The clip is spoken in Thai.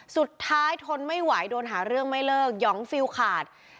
ทนไม่ไหวโดนหาเรื่องไม่เลิกหยองฟิลขาด